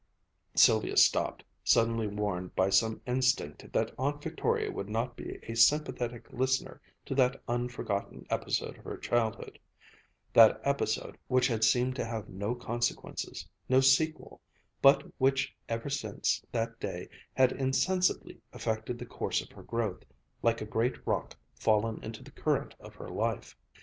Sylvia stopped, suddenly warned by some instinct that Aunt Victoria would not be a sympathetic listener to that unforgotten episode of her childhood, that episode which had seemed to have no consequences, no sequel, but which ever since that day had insensibly affected the course of her growth, like a great rock fallen into the Current of her life.